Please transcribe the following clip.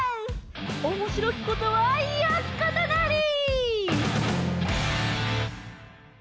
「おもしろきことはよきことなり」！